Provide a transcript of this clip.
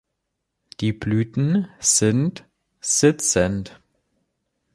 Die Blüten sind sitzend.